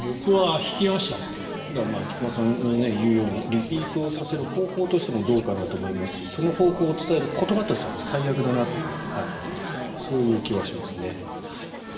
菊間さんが言うようにリピートをさせる方法としてもどうかと思いますしその方法を伝える言葉としては最悪だなとそういう気はしますね。